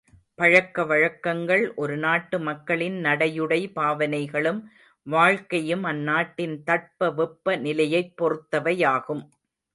பழக்க வழக்கங்கள் ஒரு நாட்டு மக்களின் நடையுடை பாவனைகளும் வாழ்க்கையும் அந்நாட்டின் தட்பவெப்ப நிலையைப் பொறுத்தவையாகும்.